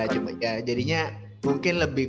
cuman ya jadinya mungkin lah ya